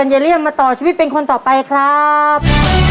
ขอเชิญเยี่ยงมาต่อชีวิตเป็นคนต่อไปครับ